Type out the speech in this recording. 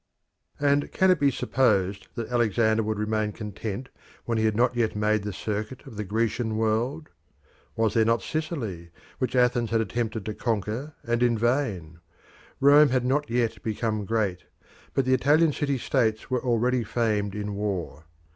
And can it be supposed that Alexander would remain content when he had not yet made the circuit of the Grecian world? Was there not Sicily, which Athens had attempted to conquer, and in vain? Rome had not yet become great, but the Italian city states were already famed in war.